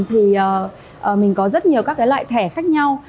thì mình có rất nhiều các cái loại thẻ khác nhau